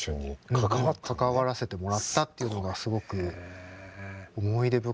関わらせてもらったっていうのがすごく思い出深いですし。